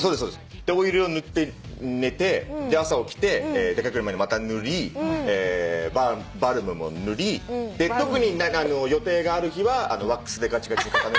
でオイルを塗って寝て朝起きて出掛ける前にまた塗りバルムも塗り特に予定がある日はワックスでガチガチに固める。